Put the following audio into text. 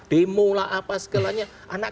demo lah apa segalanya anak